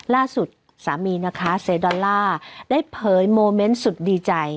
ล่าสุดสามีนะคะเซดอลลาร์ได้เผยโมเมนต์สุดดีใจ